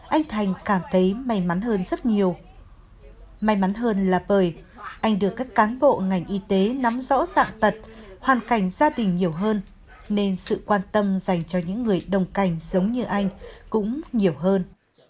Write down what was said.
anh thành cảm thấy may mắn hơn rất nhiều may mắn hơn là bởi anh được các cán bộ ngành y tế nắm rõ dạng tật hoàn cảnh gia đình nhiều hơn nên sự quan tâm dành cho những người đồng cảnh giống như anh cũng nhiều hơn